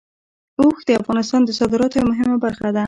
اوښ د افغانستان د صادراتو یوه مهمه برخه ده.